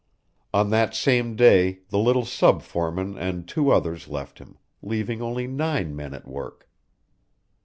On that same day the little sub foreman and two others left him, leaving only nine men at work.